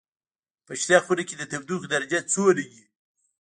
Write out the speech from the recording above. په شنه خونه کې د تودوخې درجه څومره وي؟